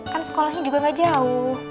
kan sekolahnya juga gak jauh